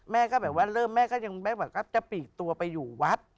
แม่ก็แบบว่าเริ่มแม่ก็ยังไม่แบบก็จะปีกตัวไปอยู่วัด